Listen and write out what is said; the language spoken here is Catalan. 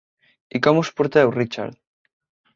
I com us porteu, Richard?